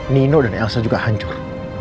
nino dan elsa juga hancur